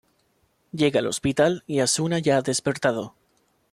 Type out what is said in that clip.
Llega al hospital y Asuna ya ha despertado.